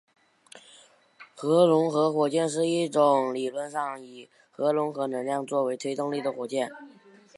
核融合火箭是一种理论上以核融合能量作为推动力的火箭。